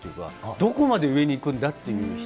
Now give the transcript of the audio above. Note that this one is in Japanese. どこまで上に行くんだっていう人。